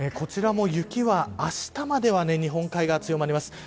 こちらも雪は、あしたまでは日本海側、強まります。